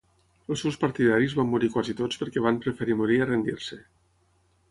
Els seus partidaris van morir quasi tots perquè van preferir morir a rendir-se.